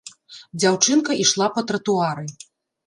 Дзяўчынка ішла па тратуары.